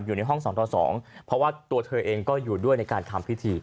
อยู่ในห้อง๒ต่อ๒เพราะว่าตัวเธอเองก็อยู่ด้วยในการทำพิธี